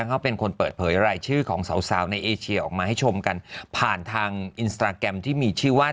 เขาเป็นคนเปิดเผยรายชื่อของสาวในเอเชียออกมาให้ชมกันผ่านทางอินสตราแกรมที่มีชื่อว่า